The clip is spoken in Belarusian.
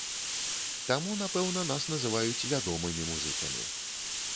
Таму, напэўна, нас называюць вядомымі музыкамі.